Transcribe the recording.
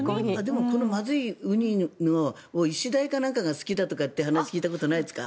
でも、このまずいウニイシダイかなんかが好きだという話を聞いたことがないですか。